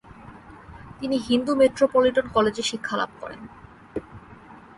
তিনি হিন্দু মেট্রোপলিটন কলেজে শিক্ষালাভ করেন।